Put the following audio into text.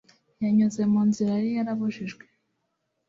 yanyuze mu nzira yariyarabujijwe